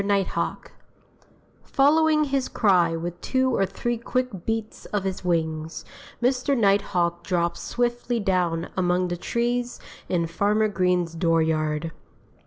NIGHTHAWK Following his cry with two or three quick beats of his wings, Mr. Nighthawk dropped swiftly down among the trees in Farmer Green's dooryard.